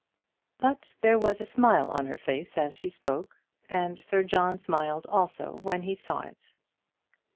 But there was a smile on her face as she spoke, and Sir John smiled also when he saw it.